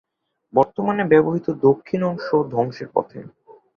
বর্তমানে ব্যবহৃত দক্ষিণ অংশও ধ্বংসের পথে।